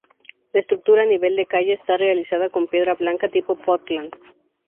La estructura a nivel de calle está realizada con piedra blanca tipo Portland.